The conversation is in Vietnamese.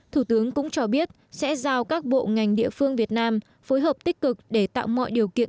thủ tướng cũng cho biết sẽ giao các bộ ngành địa phương việt nam phối hợp tích cực để tạo mọi điều kiện